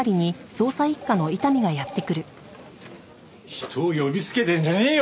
人を呼びつけてんじゃねえよ